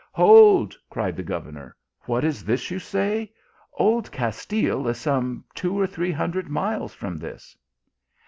" Hold !" cried the governor, " what is this you say? Old Castile is some two or three hundred miles from this."